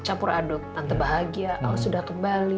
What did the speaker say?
campur adut tante bahagia al sudah kembali